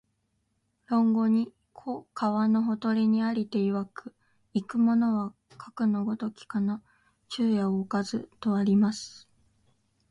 論語に、「子、川のほとりに在りていわく、逝く者はかくの如きかな、昼夜をおかず」とあります